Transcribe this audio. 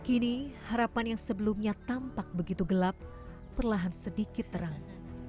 kini harapan yang sebelumnya tampak begitu gelap perlahan sedikit terang